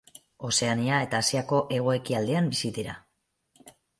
Ozeania eta Asiako hego-ekialdean bizi dira.